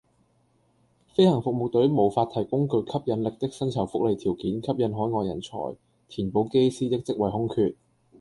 飛行服務隊無法提供具吸引力的薪酬福利條件吸引海外人才，填補機師的職位空缺